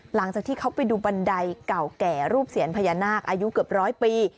หลังจากที่เขาไปดูบันไดเก่าแก่รูปเสียนพญานาคอายุเกือบร้อยปี